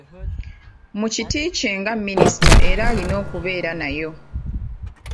Mu kiti kye nga Minisita era alina okubeera nayo.